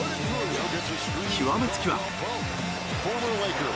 極めつきは。